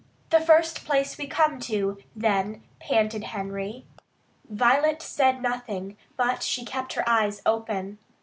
"The first place we come to, then," panted Henry. Violet said nothing, but she kept her eyes open.